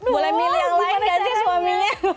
boleh milih yang lain gak sih suaminya